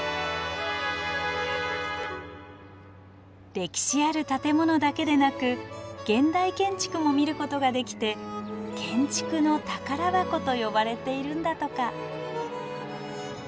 歴史ある建物だけでなく現代建築も見ることができて建築の宝箱と呼ばれているんだとか。